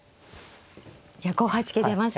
いや５八桂出ました。